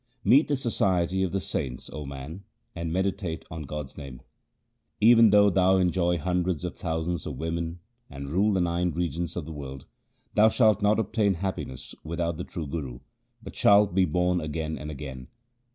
Meet the society of the saints, 0 man, and meditate on God's name. Even though thou enjoy hundreds of thousands of women, and rule the nine regions of the world, Thou shalt not obtain happiness without the true Guru, but shalt be born again and again.